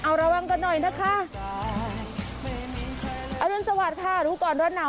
เอาระวังกันหน่อยนะคะอรุณสวัสดิ์ค่ะรู้ก่อนร้อนหนาว